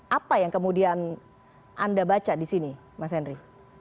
apa yang kemudian anda baca di sini mas henry